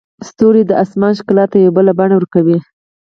ستوري د اسمان ښکلا ته یو بله بڼه ورکوي.